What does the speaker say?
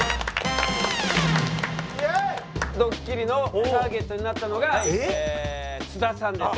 ドッキリのターゲットになったのが津田さんです。